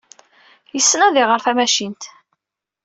Yessen ad iɣer tacinwat.